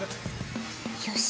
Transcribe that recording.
よし。